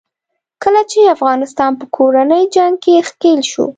کله چې افغانستان په کورني جنګ کې ښکېل شو.